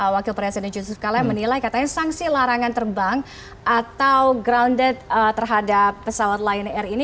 wakil presiden yusuf kala menilai katanya sanksi larangan terbang atau grounded terhadap pesawat lion air ini